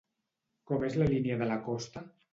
Com és la línia de costa?